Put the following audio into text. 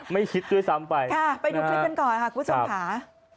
ไม่คิดด้วยซ้ำไปค่ะไปดูคลิปกันก่อนค่ะครับคุณส่วนขา